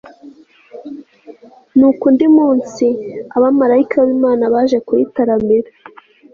nuko undi munsi, abamalayika b'imana baje kuyitaramira, s